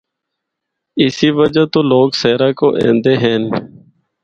اسی وجہ تو لوگ سیرا کو ایندے ہن۔